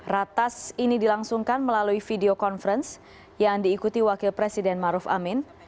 ratas ini dilangsungkan melalui video conference yang diikuti wakil presiden maruf amin